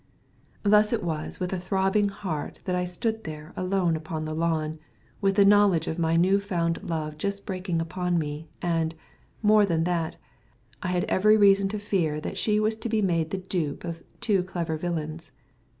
Thus it was with a throbbing heart that I stood there alone upon the lawn, with the knowledge of my new found love just breaking upon me, and, more than that, I had every reason to fear that she was to be made the dupe of two clever villains.